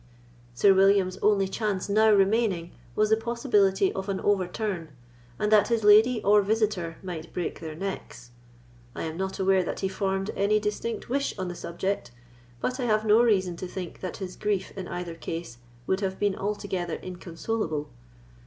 Sir William's only chance now remaining was the possibility of an overturn, and that his lady or visitor might break their necks. I am not aware that he formed any distinct wish on the subject, but I have no reason to think that his grief in either case would have been altogether inconsolable.